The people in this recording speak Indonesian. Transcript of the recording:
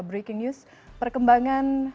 breaking news perkembangan